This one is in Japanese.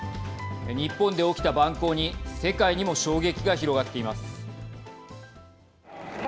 日本で起きた蛮行に世界にも衝撃が広がっています。